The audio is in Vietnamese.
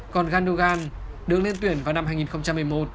còn ghanlugan được lên tuyển vào năm hai nghìn một mươi một